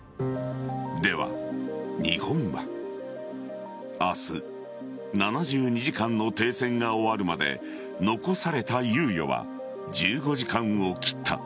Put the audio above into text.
では、日本は明日７２時間の停戦が終わるまで残された猶予は１５時間を切った。